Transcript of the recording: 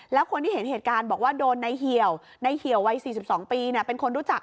แล้วคนที่เห็นเหตุการณ์บอกว่าโดนในเหี่ยวในเหี่ยววัย๔๒ปีเป็นคนรู้จัก